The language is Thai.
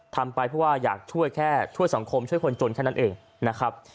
ทำไปเพราะว่าอยากช่วยแค่ช่วยสังคมช่วยคนจนแค่นั้นเองนะครับ